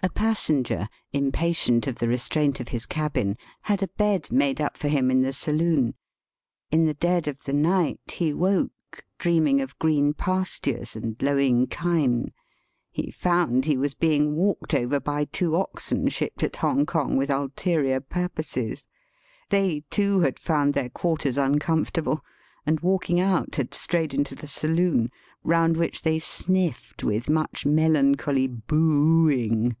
A passenger, impatient of the restraint of his cabin, had a bed made up for him in the saloon. In the dead of the night he woke, dreaming of green pastures and lowing kine. He found he was being walked over by two oxen shipped at Hongkong with ulterior purposes. They, too, had found their quarters uncomfortable, and, walking out, had strayed into the saloon, roxmd which they sniffed with much melancholy boo ooing.